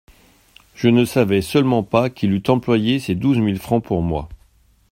Je ne savais seulement pas qu'il eût employé ces douze mille francs pour moi.